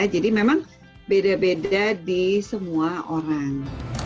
jadi memang beda beda di semua orang